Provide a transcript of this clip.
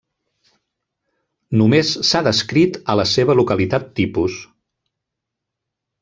Només s'ha descrit a la seva localitat tipus.